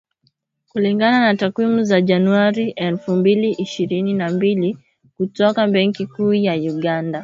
Kulingana na takwimu za Januari elfu mbili ishirini na mbili kutoka Benki Kuu ya Uganda